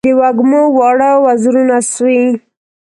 د وږمو واړه وزرونه سوی